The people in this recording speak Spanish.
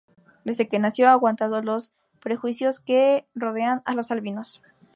Desde que nació, ha aguantado los prejuicios que rodean a los albinos.